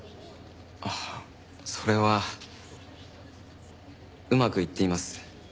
ああそれはうまくいっています。